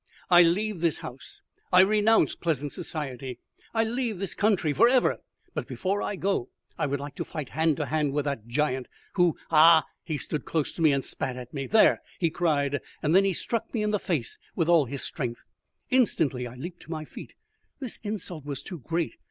I leave this house; I renounce pleasant society; I leave this country for ever; but before I go I would like to fight hand to hand with that giant, who Ha!" He stood close to me and spat at me. "There!" he cried, and then he struck me in the face with all his strength. Instantly I leapt to my feet. This insult was too great.